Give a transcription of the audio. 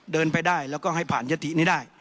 เดินไปได้แล้วก็ให้ผ่านยตินี้ได้